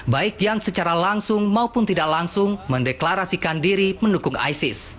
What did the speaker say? baik yang secara langsung maupun tidak langsung mendeklarasikan diri mendukung isis